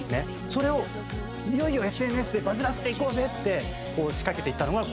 それをいよいよＳＮＳでバズらせていこうぜってこう仕掛けていったのがこのなにわ男子。